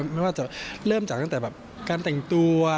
ไม่ว่าจะเริ่มจากการแต่งตัว